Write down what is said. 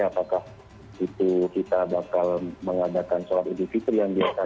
apakah itu kita bakal mengadakan sholat idul fitri yang biasa